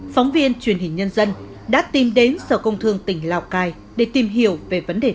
phóng viên truyền hình nhân dân đã tìm đến sở công thương tỉnh lào cai để tìm hiểu về vấn đề này